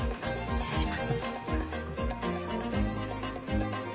失礼します。